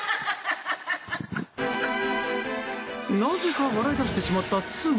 なぜか笑い出してしまった妻。